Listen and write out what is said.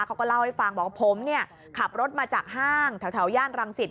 เขาก็เล่าให้ฟังบอกว่าผมเนี่ยขับรถมาจากห้างแถวย่านรังสิต